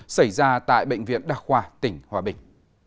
xảy ra tại bệnh viện đặc khoa tỉnh hòa bình